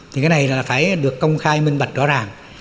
thì cái này là phải được công khai minh bạch rõ ràng